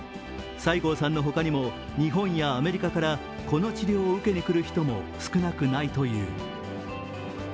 西郷さんの他にも日本やアメリカからこの治療を受けに来る人も少なくないという。